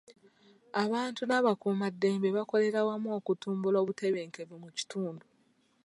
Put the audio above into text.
Abantu n'abakuumaddembe bakolera wamu okutumbula obutebenkevu mu kitundu.